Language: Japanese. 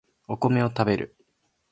お米を食べる